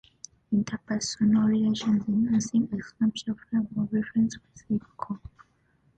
Interpersonal relations in nursing: A conceptual frame of reference for psychodynamic nursing.